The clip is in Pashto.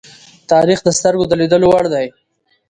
تاریخ د سترگو د لیدلو وړ دی.